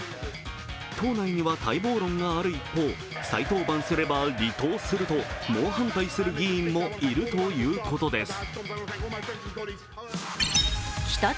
党内には待望論がある一方再登板すれば離党すると猛反対する議員もいるということです。